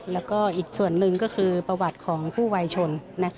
แล้วก็อีกส่วนหนึ่งก็คือประวัติของผู้วัยชน